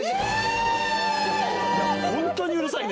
ホントにうるさいね。